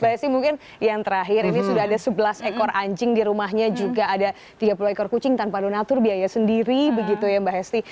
mbak hesti mungkin yang terakhir ini sudah ada sebelas ekor anjing di rumahnya juga ada tiga puluh ekor kucing tanpa donatur biaya sendiri begitu ya mbak hesti